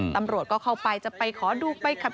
ตำรวจก็เข้าไปจะไปขอดูไปขับ